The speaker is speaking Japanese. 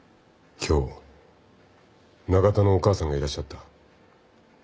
今日永田のお母さんがいらっしゃった。